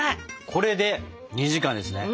これで２時間ですね？